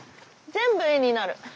全部絵になる。